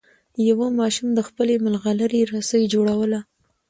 یوه ماشوم د خپلې ملغلرې رسۍ جوړوله.